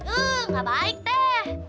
enggak baik teh